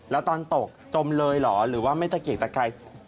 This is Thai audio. แล้วตอนตกจมเลยหรอหรือว่าไม่เกรกแต่ไกล